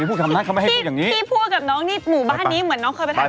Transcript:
แล้วฉันก็ไม่รู้เพราะทุกวันอยู่บ้าน